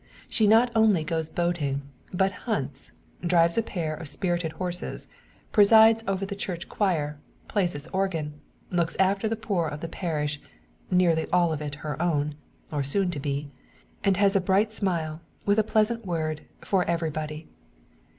She not only goes boating, but hunts, drives a pair of spirited horses, presides over the church choir, plays its organ, looks after the poor of the parish nearly all of it her own, or soon to be and has a bright smile, with a pleasant word, for everybody.